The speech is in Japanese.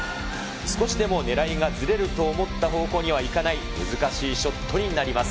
少しでも狙いがずれると思ったほうには行かない難しいショットになります。